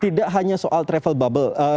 tidak hanya soal travel bubble